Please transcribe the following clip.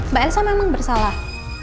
mbak elsa memang bersalah